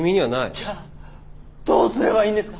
じゃあどうすればいいんですか？